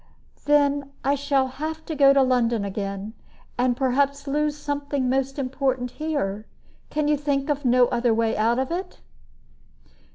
"Then I shall have to go to London again, and perhaps lose something most important here. Can you think of no other way out of it?"